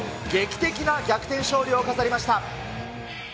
劇的な逆転勝利を飾りました。